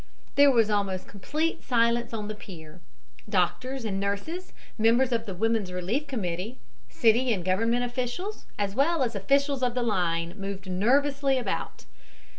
There was almost complete silence on the pier. Doctors and nurses, members of the Women's Relief Committee, city and government officials, as well as officials of the line, moved nervously about.